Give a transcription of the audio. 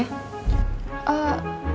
kok kamu masih disini aja